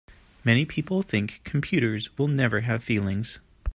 Many people think computers will never have feelings.